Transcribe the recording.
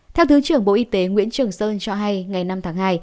theo thứ trưởng bộ y tế nguyễn trường sơn cho hay ngày năm tháng hai